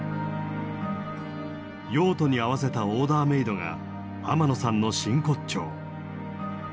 用途に合わせたオーダーメードが天野さんの真骨頂。